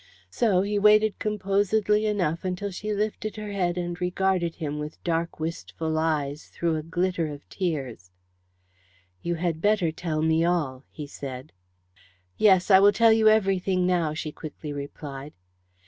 So he waited composedly enough until she lifted her head and regarded him with dark wistful eyes through a glitter of tears. "You had better tell me all," he said. "Yes, I will tell you everything now," she quickly replied.